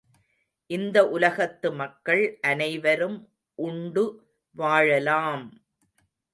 இந்த உலகத்து மக்கள் அனைவரும் உண்டு வாழலாம்!